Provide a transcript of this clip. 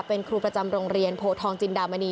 เป็นครูประจำโรงเรียนโพทองจินดามณี